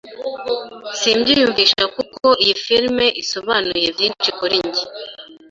simbyiyumvisha kuko iyi filime isobanuye byinshi kuri njye.